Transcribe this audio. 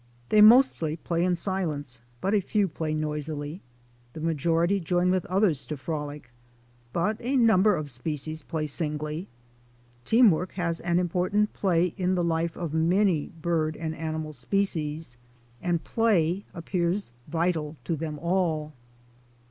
They mostly play in silence but a few play noisily; the majority join with others to frolic, but a number of species play singly. Team work has an important place in the life of many bird and animal species. And play appears vital to them all.